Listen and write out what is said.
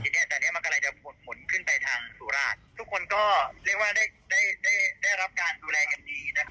อย่างนี้จะมีผมขนไปทางสู่ภูราชทุกคนก็ได้รับวิธีการดูแลกันดีนะครับ